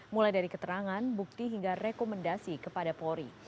mulai dari keterangan bukti hingga rekomendasi kepada polri